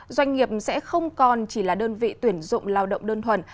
doanh nghiệp sẽ không còn chỉ là đơn vị tuyển dụng lao động đơn thuần